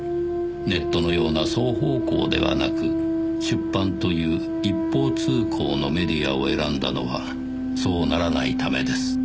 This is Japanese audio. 「ネットのような双方向ではなく出版という一方通行のメディアを選んだのはそうならないためです」